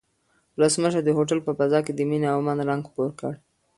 ولسمشر د هوټل په فضا کې د مینې او امن رنګ خپور کړ.